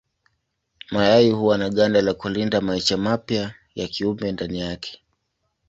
Mayai huwa na ganda ya kulinda maisha mapya ya kiumbe ndani yake.